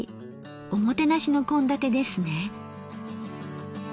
おもてなしの献立ですね。